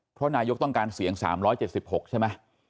เพราะนายกต้องการเสียง๓๗๖ใช่ไหม